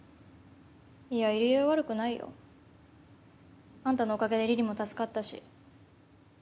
いや入江は悪くないよ。あんたのおかげで梨々も助かったし。